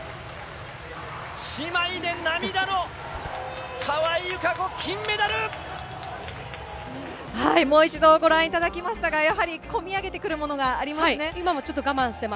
姉妹で涙の川井友香子、もう一度、ご覧いただきましたが、やはりこみ上げてくるものがありますね。